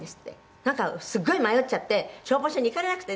「なんかすごい迷っちゃって消防署に行かれなくてね